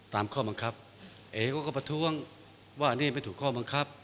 ตามข้อบังคับเอ๋ก็ประท้วงว่าอันนี้ไม่ถูกข้อบังคับ